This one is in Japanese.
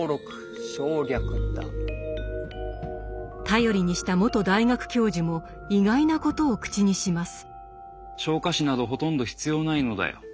頼りにした元大学教授も意外なことを口にします。